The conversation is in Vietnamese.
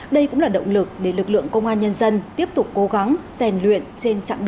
đây cũng là động lực để lực lượng công an nhân dân tiếp tục cố gắng dè nước